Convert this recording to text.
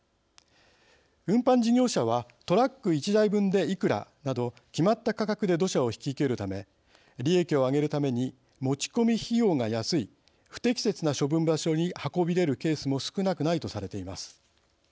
運搬事業者はトラック１台分でいくらなど決まった価格で土砂を引き受けるため利益を上げるために持ち込み費用が安い不適切な処分場所に運び入れるケースも少なくないとされています。